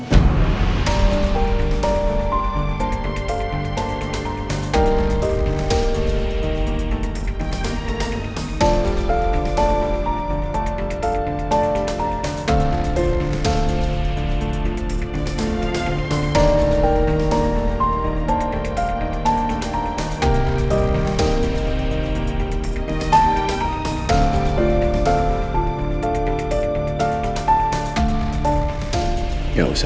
apapun lasi tuju rising